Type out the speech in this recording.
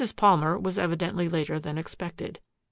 Palmer was evidently later than expected.